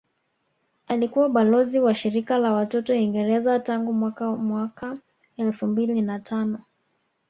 Alikuwa balozi wa shirika la watoto Uingereza tangu mwaka mwaka elfu mbili na tano